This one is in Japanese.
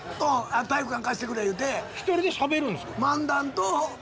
独りでしゃべるんですか？